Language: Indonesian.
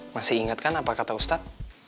masih ingat kan apa kata ustad